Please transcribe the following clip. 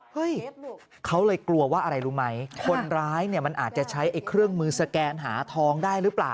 เฮ้ยเขาเลยกลัวว่าอะไรรู้ไหมคนร้ายเนี่ยมันอาจจะใช้เครื่องมือสแกนหาทองได้หรือเปล่า